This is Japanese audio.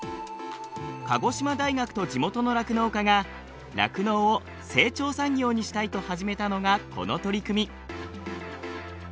鹿児島大学と地元の酪農家が酪農を成長産業にしたいと始めたのがこの取り組み。